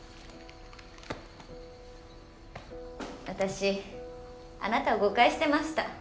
私あなたを誤解してました。